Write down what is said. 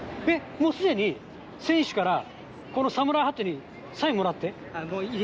もうすでに、選手からこのサムライハットにサインもらって？